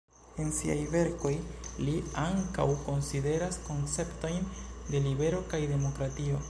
En siaj verkoj li ankaŭ konsideras konceptojn de libero kaj demokratio.